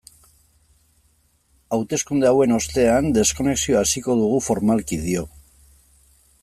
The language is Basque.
Hauteskunde hauen ostean deskonexioa hasiko dugu formalki, dio.